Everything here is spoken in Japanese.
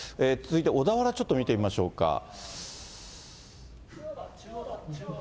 続いて小田原、ちょっと見てみましょうか。